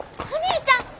お兄ちゃん。